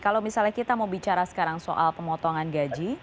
kalau misalnya kita mau bicara sekarang soal pemotongan gaji